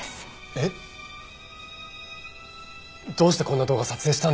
えっ！？どうしてこんな動画撮影したんですか！